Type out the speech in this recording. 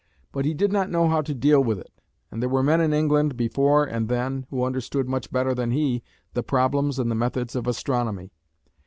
But he did not know how to deal with it, and there were men in England, before and then, who understood much better than he the problems and the methods of astronomy.